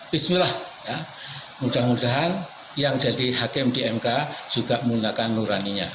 bismillah mudah mudahan yang jadi hakim di mk juga menggunakan nuraninya